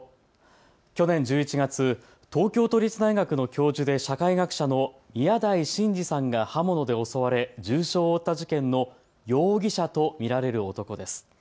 去年１１月、東京都立大学の教授で社会学者の宮台真司さんが刃物で襲われ重傷を負った事件の容疑者と見られる男です。